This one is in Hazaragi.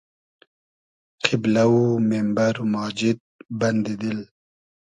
قیبلۂ و میمبئر و ماجید بئندی دیل